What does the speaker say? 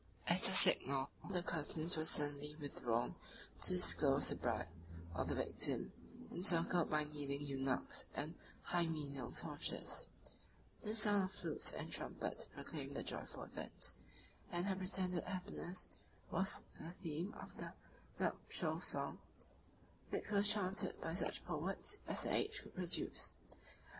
At a signal the curtains were suddenly withdrawn to disclose the bride, or the victim, encircled by kneeling eunuchs and hymeneal torches: the sound of flutes and trumpets proclaimed the joyful event; and her pretended happiness was the theme of the nuptial song, which was chanted by such poets as the age could produce.